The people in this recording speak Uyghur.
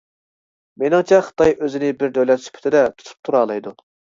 مېنىڭچە خىتاي ئۆزىنى بىر دۆلەت سۈپىتىدە تۇتۇپ تۇرالايدۇ.